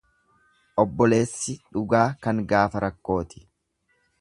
Obboleeysi dhugaa kan gaafa rakkooti.